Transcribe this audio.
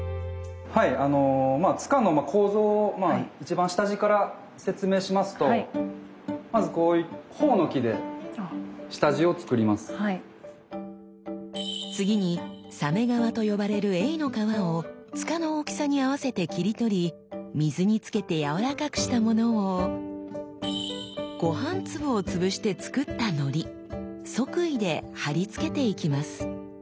はいあのまあ柄の構造を一番下地から説明しますとまず次に鮫皮と呼ばれるエイの皮を柄の大きさに合わせて切り取り水につけて軟らかくしたものをごはん粒を潰して作ったのり続飯で貼り付けていきます。